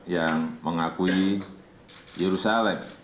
yang mengakui yerusalem